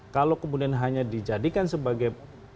kalau kemudian hanya dijadikan sebagai